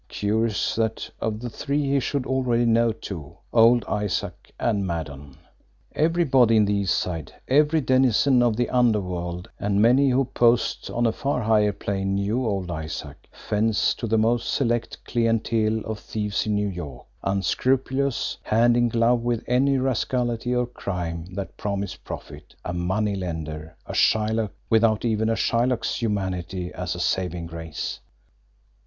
Curious, that of the three he should already know two old Isaac and Maddon! Everybody in the East Side, every denizen of the underworld, and many who posed on a far higher plane knew old Isaac fence to the most select clientele of thieves in New York, unscrupulous, hand in glove with any rascality or crime that promised profit, a money lender, a Shylock without even a Shylock's humanity as a saving grace!